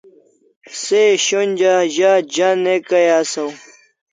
Se shonja za ja ne Kay asaw